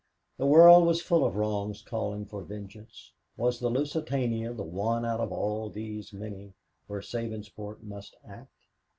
The world was full of wrongs calling for vengeance, was the Lusitania the one out of all these many where Sabinsport must act?